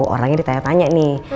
orangnya ditanya tanya nih